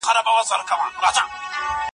هغه شاهدانو هم ايمان راوړ.